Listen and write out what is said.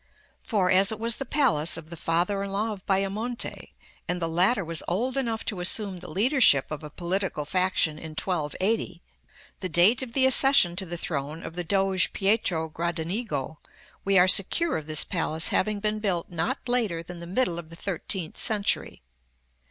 For, as it was the palace of the father in law of Bajamonte, and the latter was old enough to assume the leadership of a political faction in 1280, the date of the accession to the throne of the Doge Pietro Gradenigo, we are secure of this palace having been built not later than the middle of the thirteenth century.